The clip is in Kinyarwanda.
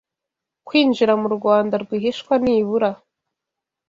kwinjira mu Rwanda rwihishwa nibura